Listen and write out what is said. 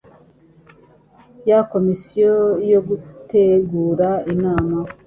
ya Komisiyo no gutegura Inama